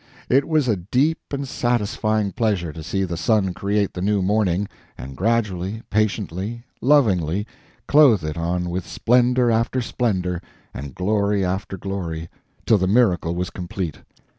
It was a deep and satisfying pleasure to see the sun create the new morning, and gradually, patiently, lovingly, clothe it on with splendor after splendor, and glory after glory, till the miracle was complete.